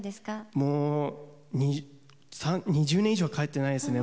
もう２０年以上は帰ってないですね。